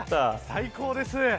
最高です。